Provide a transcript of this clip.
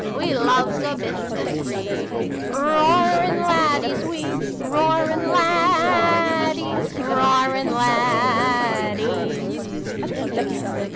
We loves a bit d spree, Roariri laddies we, Roarirt laddies Roarin' laddies !